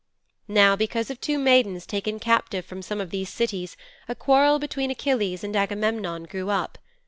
'Now because of two maidens taken captive from some of these cities a quarrel between Achilles and Agamemnon grew up.